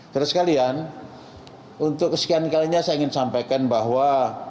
terus sekalian untuk kesekian kalinya saya ingin sampaikan bahwa